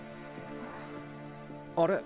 あれ？